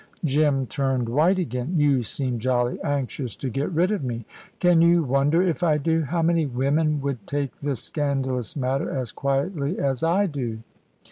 Jim turned white again. "You seem jolly anxious to get rid of me." "Can you wonder if I do? How many women would take this scandalous matter as quietly as I do?"